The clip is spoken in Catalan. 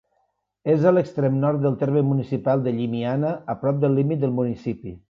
És a l'extrem nord del terme municipal de Llimiana, a prop del límit del municipi.